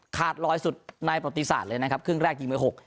ขาดลอยสุดในประติศาสตร์เลยนะครับครึ่งแรกยิงมือหก